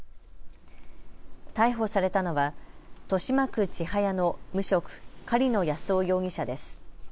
逮捕されたのは豊島区千早の無職、狩野安雄容疑者です。